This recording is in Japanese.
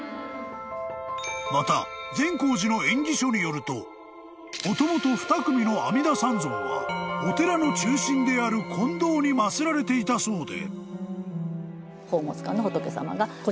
［また善光寺の縁起書によるともともと２組の阿弥陀三尊はお寺の中心である金堂に祭られていたそうで］